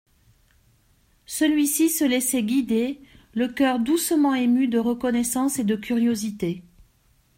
Celui-ci se laissait guider, le coeur doucement ému de reconnaissance et de curiosité.